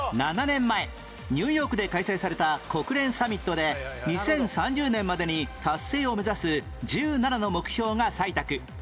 ７年前ニューヨークで開催された国連サミットで２０３０年までに達成を目指す１７の目標が採択